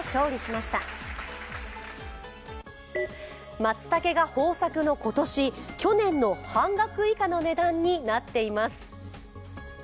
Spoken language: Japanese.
まつたけが豊作の今年、去年の半額以下の値段になっています。